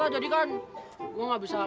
ini dia si huling